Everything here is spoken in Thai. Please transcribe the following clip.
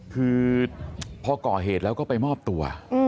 คือพอก่อเหตุแล้วก็ไปมอบตัว